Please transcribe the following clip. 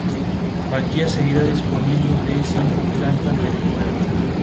Bankia seguirá disponiendo de cinco plantas del inmueble.